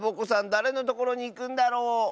だれのところにいくんだろう？